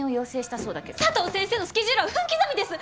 佐藤先生のスケジュールは分刻みです！